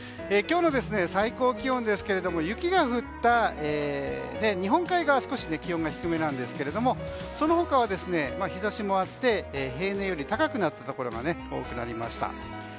今日の最高気温ですけれども雪が降った日本海側、少し気温が低めなんですがその他は、日差しもあって平年よりも高くなったところが多くなりました。